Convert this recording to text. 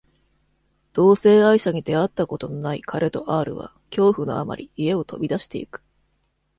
同性愛者に出会ったことのない彼とアールは、恐怖のあまり家を飛び出していく。